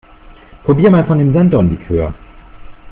Probier mal von dem Sanddornlikör!